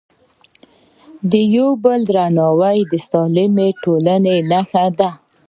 د یو بل درناوی د سالمې ټولنې نښه ده.